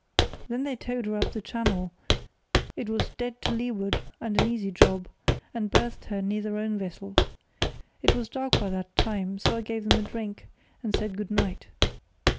Then they towed her up the channel—it was dead to leeward and an easy job—and berthed her near their own vessel. It was dark by that time, so I gave them a drink, and said good night.